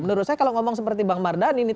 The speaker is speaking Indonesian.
menurut saya kalau ngomong seperti bang mardani